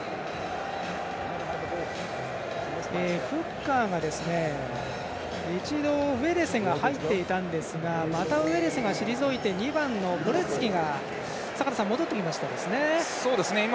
フッカーが、一度ウエレセが入っていたんですがまたウエレセが退いて２番のポレツキが戻ってきましたね。